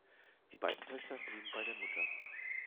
Die beiden Töchter blieben bei der Mutter.